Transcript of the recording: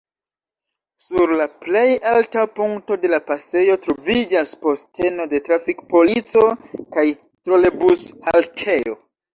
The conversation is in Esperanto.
Sur la plej alta punkto de la pasejo troviĝas posteno de trafik-polico kaj trolebus-haltejo.